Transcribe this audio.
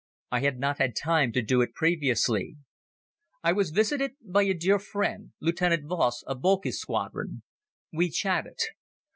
I had not had time to do it previously. I was visited by a dear friend, Lieutenant Voss of Boelcke's Squadron. We chatted.